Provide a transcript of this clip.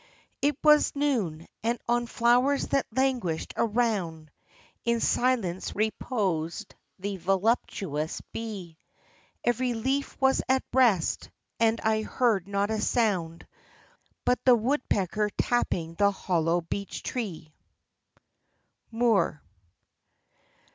"It was noon, and on flowers that languished around, In silence reposed the voluptuous bee; Every leaf was at rest, and I heard not a sound But the woodpecker tapping the hollow beech tree." —MOORE.